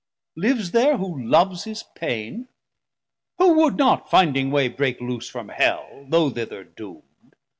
Lives ther who loves his pain? Who would not, finding way, break loose from Hell, Though thither doomd?